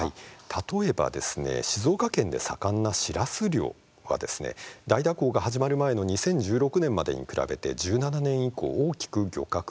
例えば静岡県で盛んなシラス漁は大蛇行が始まる前の２０１６年までに比べて１７年以降大きく漁獲が減っています。